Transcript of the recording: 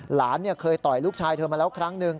หลานเคยต่อยลูกชายเธอมาแล้วครั้งหนึ่ง